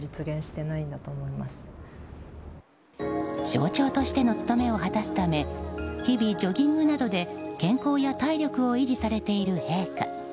象徴としての務めを果たすため日々、ジョギングなどで健康や体力を維持されている陛下。